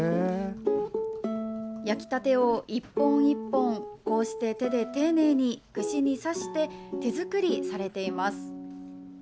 焼きたてを１本１本手で丁寧に串に刺して手作りされています。